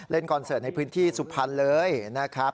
คอนเสิร์ตในพื้นที่สุพรรณเลยนะครับ